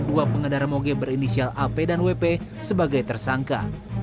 dua pengendara moge berinisial ap dan wp sebagai tersangka